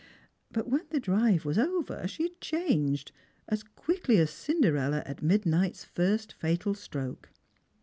But when the drive was over she had changed, as quickly as Cinderella at midnight's first fatal stroke.